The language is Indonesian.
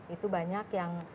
itu banyak yang